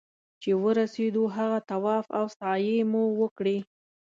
چې ورسېدو هغه طواف او سعيې مو وکړې.